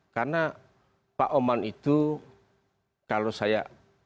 karena pak oman itu kalau saya